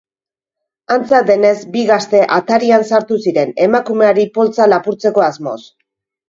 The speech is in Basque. Antza denez, bi gazte atarian sartu ziren emakumeari poltsa lapurtzeko asmoz.